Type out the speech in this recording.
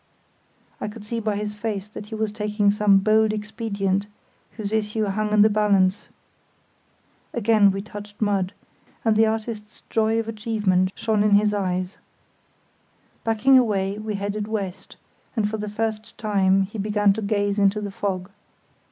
I could see by his face that he was taking some bold expedient whose issue hung in the balance.... Again we touched mud, and the artist's joy of achievement shone in his eyes. Backing away, we headed west, and for the first time he began to gaze into the fog.